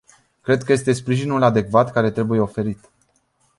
Cred că este sprijinul adecvat care trebuie oferit.